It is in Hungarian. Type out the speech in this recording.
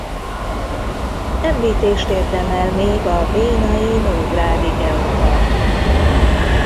Említést érdemel még a Bénai Nógrádi Geopark.